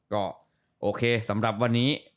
ก็โอเคสำหรับวันนี้